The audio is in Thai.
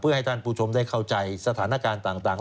เพื่อให้ท่านผู้ชมได้เข้าใจสถานการณ์ต่าง